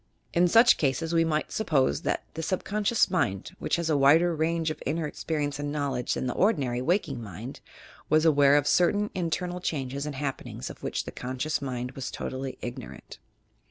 In such cases we might suppose that the subconscious mind, which has a wider range of inner experience and knowledge than the ordinary waking mind, was aware of certain internal changes and happenings of which the conscious mind was totally ignorant.